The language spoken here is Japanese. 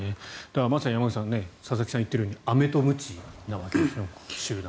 まさに山口さん佐々木さんが言っているようにアメとムチなわけです。